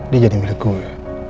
dia jadi milik gue